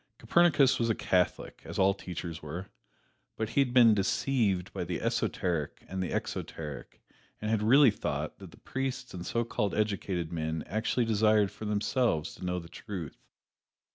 Copernicus was a Catholic, as all teachers were, but he had been deceived by the esoteric and the exoteric, and had really thought that the priests and so called educated men actually desired, for themselves, to know the truth.